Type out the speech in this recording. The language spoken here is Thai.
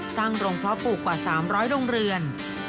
สร้างโรงเพาะปลูกกว่า๓๐๐โรงเรือน